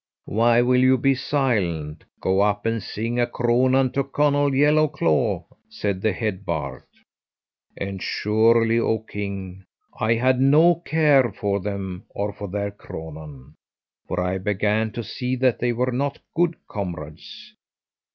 "'Why will you be silent? Go up and sing a cronan to Conall Yellowclaw,' said the head bard. And surely, oh king, I had no care for them or for their cronan, for I began to see that they were not good comrades.